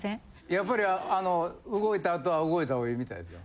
やっぱり動いた後は動いた方がいいみたいですよ。